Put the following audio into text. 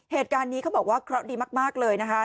เหตุการณ์นี้เขาบอกว่าเคราะห์ดีมากเลยนะคะ